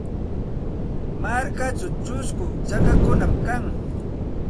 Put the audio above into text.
Markachaw chusku chakakunam kan.